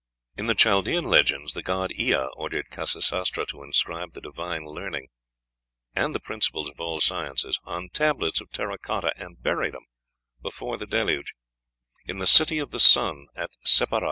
In the Chaldean legends the god Ea ordered Khasisatra to inscribe the divine learning, and the principles of all sciences, on tables of terra cotta, and bury them, before the Deluge, "in the City of the Sun at Sippara."